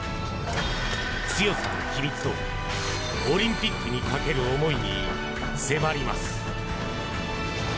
強さの秘密とオリンピックにかける思いに迫ります。